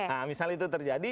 nah misalnya itu terjadi